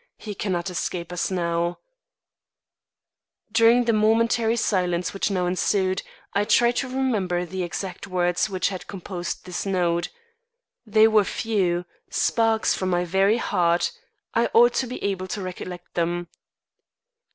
He cannot escape us now_." During the momentary silence which now ensued, I tried to remember the exact words which had composed this note. They were few sparks from my very heart I ought to be able to recollect them.